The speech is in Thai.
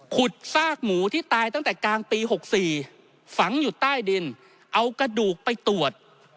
ซากหมูที่ตายตั้งแต่กลางปี๖๔ฝังอยู่ใต้ดินเอากระดูกไปตรวจ